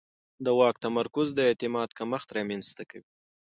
د واک تمرکز د اعتماد کمښت رامنځته کوي